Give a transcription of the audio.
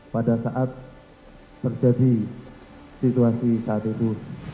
pada saat terjadi situasi saat itu